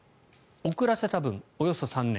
遅らせた分、およそ３年。